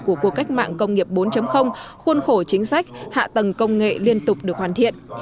của cuộc cách mạng công nghiệp bốn khuôn khổ chính sách hạ tầng công nghệ liên tục được hoàn thiện